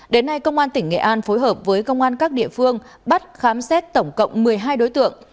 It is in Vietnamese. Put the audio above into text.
đến nay công an tỉnh nghệ an phối hợp với công an các địa phương bắt khám xét tổng cộng một mươi hai đối tượng